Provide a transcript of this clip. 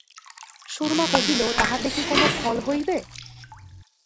সুরমা কহিল, তাহাতে কি কোনো ফল হইবে?